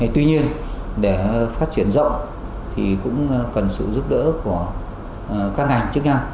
tuy nhiên để phát triển rộng thì cũng cần sự giúp đỡ của các ngành chức năng